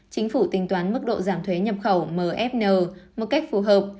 chính phủ tính toán mức độ giảm thuế nhập khẩu mfn một cách phù hợp